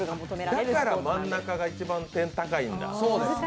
だから真ん中が一番点が高いんだ。